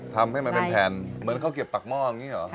ทำให้มันเป็นแผ่นเหมือนข้าวเก็บปากหม้ออย่างนี้เหรอ